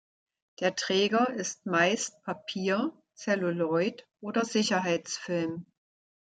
Der Träger ist meist Papier-, Zelluloid- oder Sicherheitsfilm.